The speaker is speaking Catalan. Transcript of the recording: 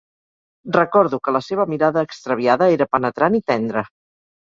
Recordo que la seva mirada extraviada era penetrant i tendra.